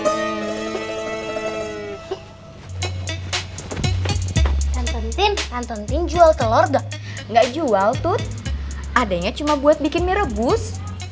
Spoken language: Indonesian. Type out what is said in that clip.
nonton tin nonton tin jual telur gak gak jual tut adanya cuma buat bikin mie rebus